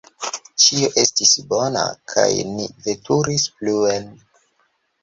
Ĉio estis bona, kaj ni veturis pluen.